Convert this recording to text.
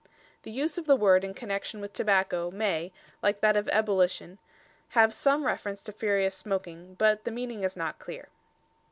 The use of the word in connexion with tobacco may, like that of "ebolition," have some reference to furious smoking, but the meaning is not clear.